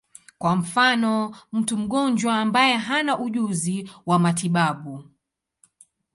Kwa mfano, mtu mgonjwa ambaye hana ujuzi wa matibabu.